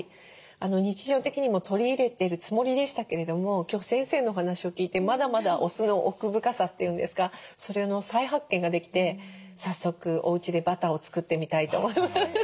日常的にも取り入れてるつもりでしたけれども今日先生のお話を聞いてまだまだお酢の奥深さっていうんですかそれの再発見ができて早速おうちでバターを作ってみたいと思います。